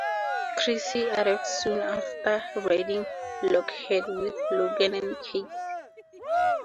Chrissie arrived soon after, riding Lockheed with Logan and Kate.